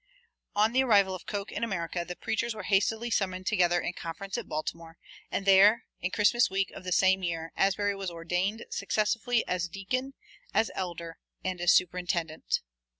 On the arrival of Coke in America, the preachers were hastily summoned together in conference at Baltimore, and there, in Christmas week of the same year, Asbury was ordained successively as deacon, as elder, and as superintendent.